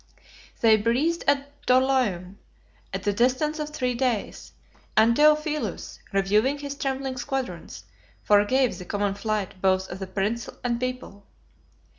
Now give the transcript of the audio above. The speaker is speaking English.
They breathed at Dorylaeum, at the distance of three days; and Theophilus, reviewing his trembling squadrons, forgave the common flight both of the prince and people.